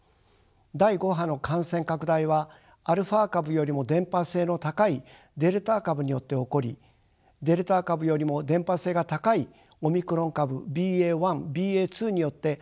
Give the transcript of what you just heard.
第５波の感染拡大はアルファ株よりも伝播性の高いデルタ株によって起こりデルタ株よりも伝播性が高いオミクロン株ＢＡ．１ＢＡ．２によって第６波が。